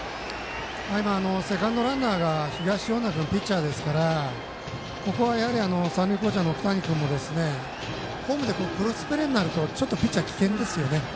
今、セカンドランナーがピッチャーの東恩納君ですからここは、三塁コーチャーの奥谷君もホームでクロスプレーになるとちょっとピッチャー危険ですよね。